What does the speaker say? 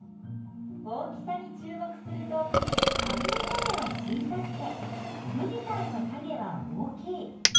大きさにちゅう目するとアリのかげは小さくて富士山のかげは大きい。